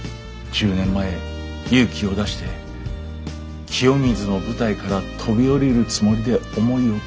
１０年前勇気を出して清水の舞台から飛び降りるつもりで思いを告げた。